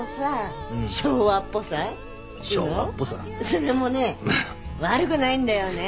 それもね悪くないんだよね。